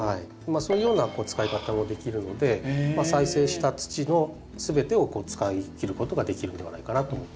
そういうような使い方をできるので再生した土の全てを使いきることができるんではないかなと。